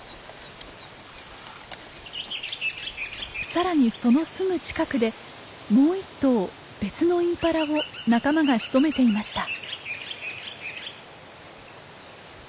さらにそのすぐ近くでもう１頭別のインパラを仲間がしとめていました。